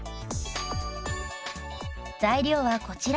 材料はこちら。